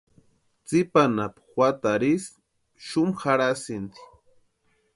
Tsipa anapu juatarhu ísï xumu jarhasïnti.